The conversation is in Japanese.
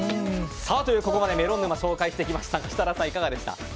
ここまでメロン沼を紹介しましたが設楽さん、いかがですか？